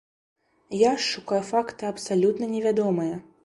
Я ж шукаю факты абсалютна невядомыя.